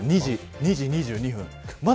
２時２２分。